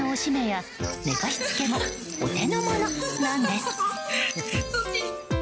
パパのおしめや寝かしつけもお手の物なんです！